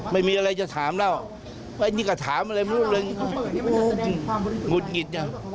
ไม่มีอะไรจะถามเราว่าอันนี้ก็ถามอะไรไม่รู้เลยงุดหงิด